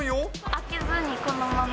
開けずにこのまま。